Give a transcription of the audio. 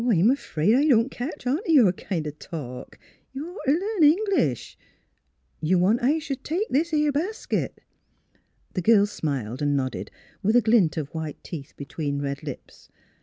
" I'm afraid I don't ketch on t' your kind of talk. You'd ought t' learn English. ... You want I sh'd take this 'ere basket? " The girl smiled and nodded, with a glint of white teeth between red lips.